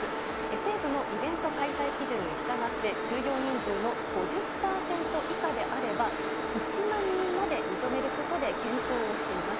政府のイベント開催基準に従って、収容人数の５０％以下であれば、１万人まで認めることで検討をしています。